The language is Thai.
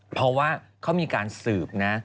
เพราะว่าเขามีการสืบนะ